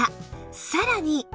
さらに